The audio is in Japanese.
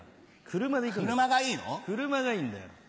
車がいいんだよ。